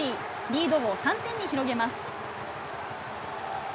リードを３点に広げます。